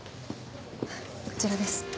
こちらです。